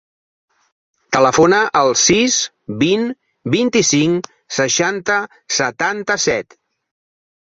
Telefona al sis, vint, vint-i-cinc, seixanta, setanta-set.